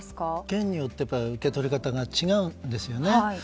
県によって受け取り方が違うんですね。